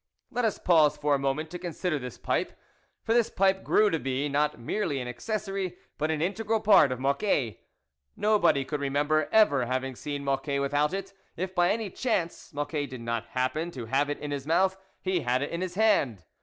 Let us pause for a moment to consider this pipe, for this pipe grew to be, not merely an accessory, but an integral part of Mocquet. Nobody could remember ever having seen Mocquet without it. If by any chance Mocquet did not happen to have it in his mouth, he had it in his hand.